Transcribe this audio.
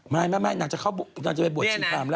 ไม่นางจะเข้านางจะไปบวชชีพรามแล้ว